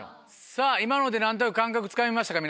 さぁ今ので何となく感覚つかめましたか？